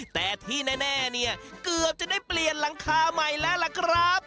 แต่ที่แน่เนี่ยเกือบจะได้เปลี่ยนหลังคาใหม่แล้วล่ะครับ